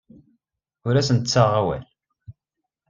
Ur asent-ttaɣeɣ awal.